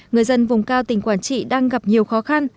người dân vùng cao tỉnh quảng trị đang gặp nhiều khó khăn